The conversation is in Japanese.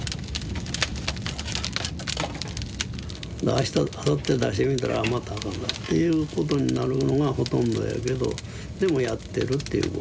あしたあさって出してみたらああまたあかんかったっていうことになるのがほとんどやけどでもやってるっていうことですね。